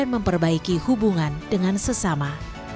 memperbaiki hubungan dengan sesama